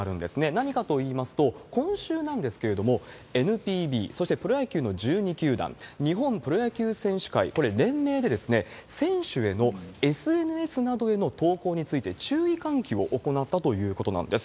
何かといいますと、今週なんですけれども、ＮＰＢ、そしてプロ野球の１２球団、日本プロ野球選手会、これ、連名で選手へのＳＮＳなどへの投稿について注意喚起を行ったということなんです。